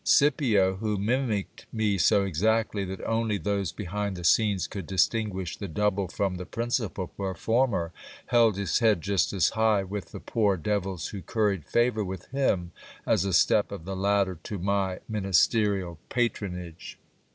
Scipio, who mim icked me so exactly, that only those behind the scenes could distinguish the double from the principal performer, held his head just as high with the poor devils who curried favour with him, as a step of the ladder to my ministerial patronage.